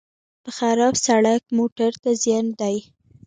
په خراب سړک موټر ته زیان دی.